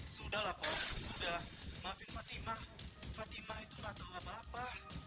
sudah lapor sudah maafin fatimah fatimah itu nggak tahu apa apa